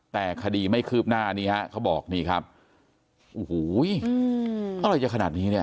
แต่คดีไม่คืบหน้านี่ฮะเขาบอกนี่ครับโอ้โหอะไรจะขนาดนี้เนี่ย